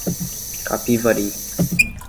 Capivari